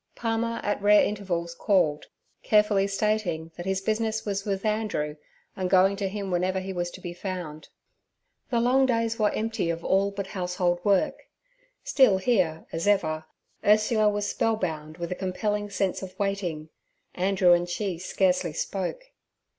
Palmer at rare intervals called, carefully stating that his business was with Andrew, and going to him wherever he was to be found. The long days were empty of all but household work; still here, as ever, Ursula was spellbound with a compelling sense of waiting, Andrew and she scarcely spoke.